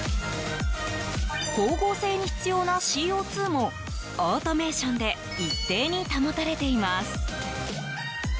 光合成に必要なＣＯ２もオートメーションで一定に保たれています。